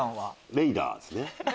レイダーですね。